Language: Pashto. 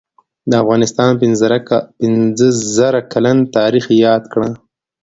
دافغانستان پنځه زره کلن تاریخ یاد کړه